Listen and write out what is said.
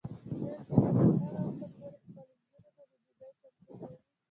میندې به تر هغه وخته پورې خپلو نجونو ته ډوډۍ چمتو کوي.